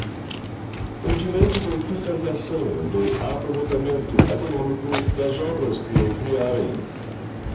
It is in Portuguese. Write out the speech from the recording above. o direito de fiscalização do aproveitamento econômico das obras que criarem